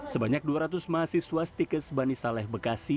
sebanyak dua ratus mahasiswa stikes bani saleh bekasi